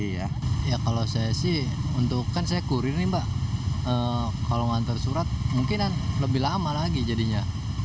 ya kalau saya sih untuk kan saya kurir nih mbak kalau ngantar surat mungkin lebih lama lagi jadinya